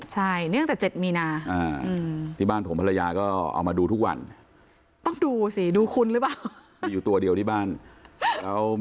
ใช่เนื่องจากเจ็ดมีนา